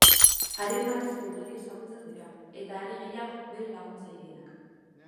Haren marrazki ugari ezagutzen dira, eta are gehiago bere laguntzaileenak.